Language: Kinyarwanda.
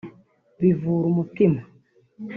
bivura umutima